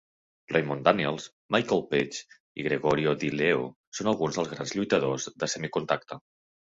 Raymond Daniels, Michael Page i Gregorio Di Leo són alguns dels grans lluitadors de semi-contacte.